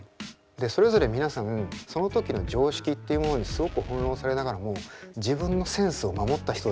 それぞれ皆さんその時の常識っていうものにすごく翻弄されながらも自分のセンスを守った人たちだと思うんすよね。